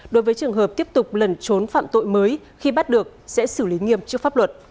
đối với trường hợp tiếp tục lẩn trốn phạm tội mới khi bắt được sẽ xử lý nghiêm trước pháp luật